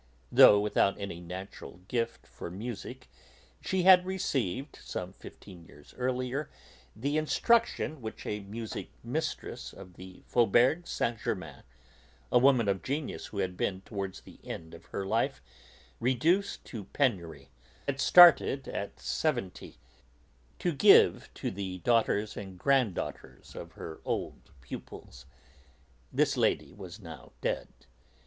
Though without any natural gift for music, she had received, some fifteen years earlier, the instruction which a music mistress of the Faubourg Saint Germain, a woman of genius who had been, towards the end of her life, reduced to penury, had started, at seventy, to give to the daughters and granddaughters of her old pupils. This lady was now dead.